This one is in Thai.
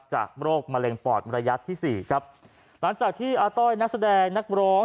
โรคมะเร็งปอดระยะที่สี่ครับหลังจากที่อาต้อยนักแสดงนักร้อง